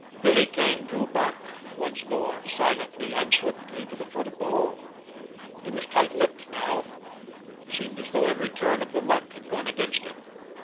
Billy Kane drew back once more silently and swiftly to the front of the hall. He was tight lipped now. It seemed as though every turn of the luck had gone against him.